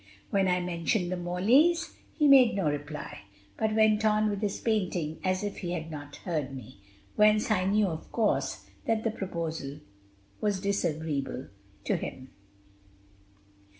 When I mentioned the Morleys, he made no reply, but went on with his painting as if he had not heard me; whence I knew, of course, that the proposal was disagreeable to him.